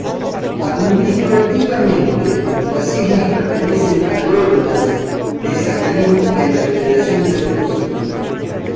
Administrativamente, las islas pertenecen al óblast de Sajalín de la Federación de Rusia.